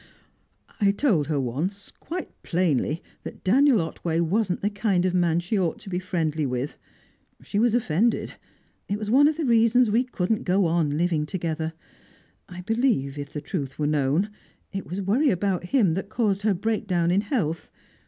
"I told her once, quite plainly, that Daniel Otway wasn't the kind of man she ought to be friendly with. She was offended: it was one of the reasons why we couldn't go on living together. I believe, if the truth were known, it was worry about him that caused her breakdown in health.